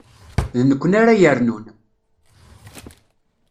D nekkni ara yernun.